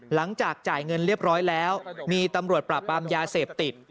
หลังจากจ่ายเงินเรียบร้อยแล้วมีตำรวจปราบปรามยาเสพติด